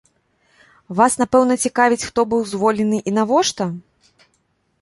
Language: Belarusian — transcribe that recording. Вас, напэўна, цікавіць, хто быў звольнены і навошта?